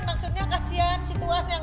maksudnya kasihan si tuhan yang